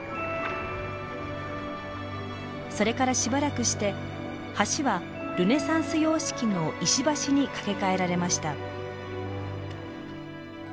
それからしばらくして橋はルネサンス様式の石橋に架け替えられました。